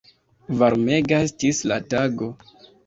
Varmega estis la tago.